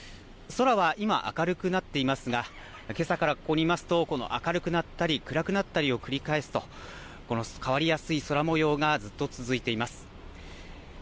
空は今、明るくなっていますがけさからここにいますと明るくなったり暗くなったりを繰り返すと、この変わりやすい空もようがずっと続いています。